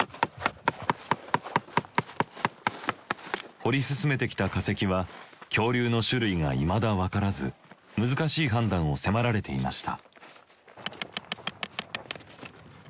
掘り進めてきた化石は恐竜の種類がいまだ分からず難しい判断を迫られていました。